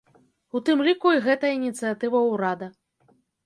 У тым ліку і гэтая ініцыятыва ўрада.